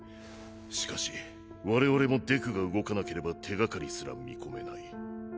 しかし我々もデクが動かなければ手がかりすら見込めない。